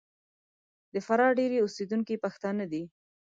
د فراه ډېری اوسېدونکي پښتانه دي.